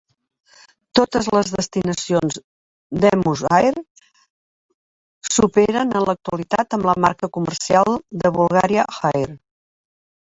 Totes les destinacions d'Hemus Air s'operen en l'actualitat amb la marca comercial de Bulgaria Air.